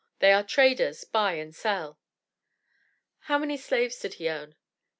They are traders, buy and sell." "How many slaves did he own?"